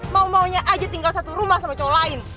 mau maunya aja tinggal satu rumah sama cowok lain